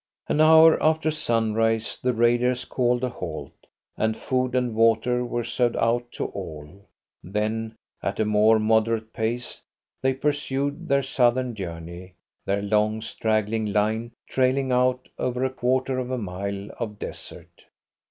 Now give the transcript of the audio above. An hour after sunrise the raiders called a halt, and food and water were served out to all. Then at a more moderate pace they pursued their southern journey, their long, straggling line trailing out over a quarter of a mile of desert.